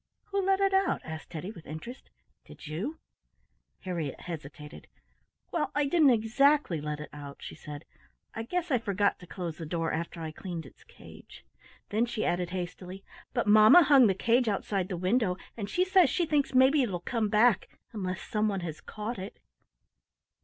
"Who let it out?" asked Teddy, with interest. "Did you?" Harriett hesitated. "Well, I didn't exactly let it out," she said. "I guess I forgot to close the door after I cleaned its cage." Then she added hastily: "But mamma hung the cage outside the window, and she says she thinks maybe it'll come back unless someone has caught it."